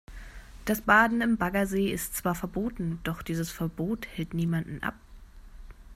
Das Baden im Baggersee ist zwar verboten, doch dieses Verbot hält niemanden ab.